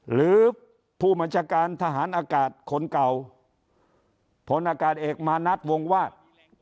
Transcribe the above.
หรือผู้บัญชาการทหารอากาศคนเก่าผลอากาศเอกมานัดวงวาด